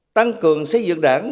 tăng cường xây dựng đảng